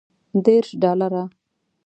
دېرش ډالره.